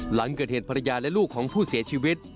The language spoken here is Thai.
หลังเกิดเหตุภรรยาและลูกของผู้เสียชีวิต